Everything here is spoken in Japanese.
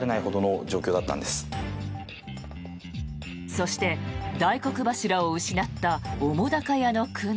そして大黒柱を失った澤瀉屋の苦悩。